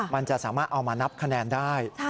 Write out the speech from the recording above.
มันจะสามารถเอามานับคะแนนได้